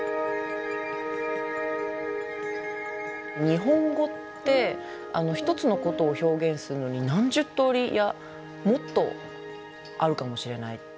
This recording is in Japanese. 日本語って一つのことを表現するのに何十とおりいやもっとあるかもしれない。